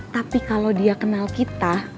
tapi kalau dia kenal kita